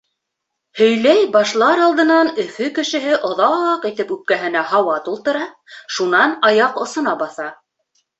Һөйләй башлар алдынан Өфө кешеһе оҙаҡ итеп үпкәһенә һауа тултыра, шунан аяҡ осона баҫа.